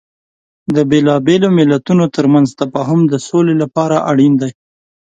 د بیلابیلو مليتونو ترمنځ تفاهم د سولې لپاره اړین دی.